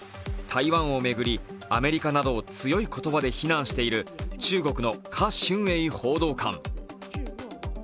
台湾を巡れアメリカなどを強い言葉で非難している中国の華春瑩報道官。